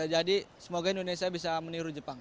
jadi semoga indonesia bisa meniru jepang